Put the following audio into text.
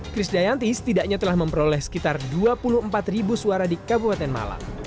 kris dayanti setidaknya telah memperoleh sekitar dua puluh empat ribu suara di kabupaten malang